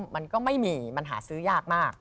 มันก็ไม่มีมันหาซื้อยากมาก